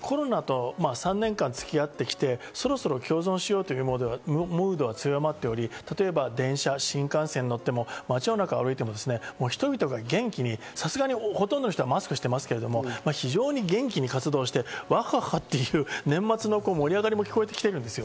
それで、すでにコロナと３年間、付き合ってきて、そろそろ共存しようというムードが強まっており、例えば電車、新幹線に乗っても、街の中を歩いても、人々が元気に、さすがにほとんどの人はマスクしてますけど、非常に元気に活動してワハハ！っていう年末の盛り上がりも聞こえてきている。